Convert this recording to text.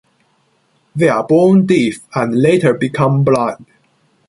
They are born deaf and later become blind.